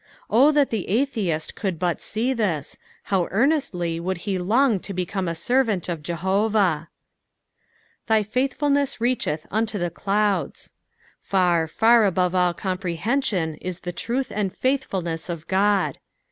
O that the atheist cuuld but see [his, how earnestly would he long to become a servant of Jehovah I " Thy faithfulneM reeuAeth wUo the doudt." Far, far above all comprehension is the truth and faithfulness of Qod.